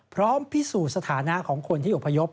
พร้อมพิสูจน์สถานะของคนที่อพยพ